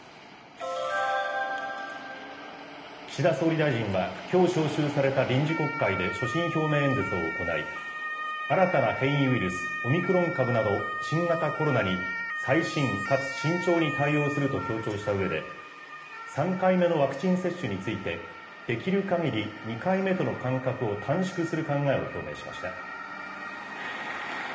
岸田総理大臣は、きょう召集された臨時国会で所信表明演説を行い、新たな変異ウイルスオミクロン株など、新型コロナに細心かつ慎重に対応すると強調したうえで、３回目のワクチン接種について、できるかぎり２回目との間隔を短縮する考えを表明しました。